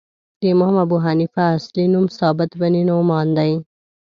د امام ابو حنیفه اصلی نوم ثابت بن نعمان دی .